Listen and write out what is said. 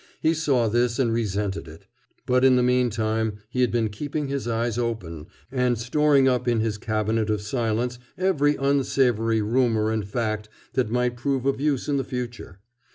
He saw this and resented it. But in the meantime he had been keeping his eyes open and storing up in his cabinet of silence every unsavory rumor and fact that might prove of use in the future.